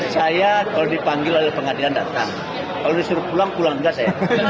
saya kalau dipanggil oleh pengadilan datang kalau disuruh pulang pulang juga saya